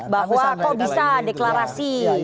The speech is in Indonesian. bahwa kok bisa deklarasi